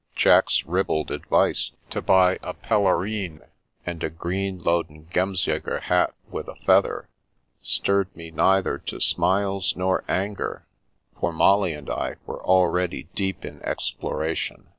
Jack's ribald advice to buy a pelerine, and a green loden Gemsjager hat with a feather, stirred me neither to smiles nor anger, for Molly and I were already deep in exploration.